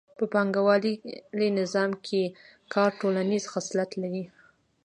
په پانګوالي نظام کې کار ټولنیز خصلت لري